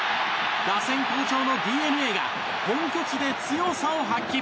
打線好調のＤｅＮＡが本拠地で強さを発揮。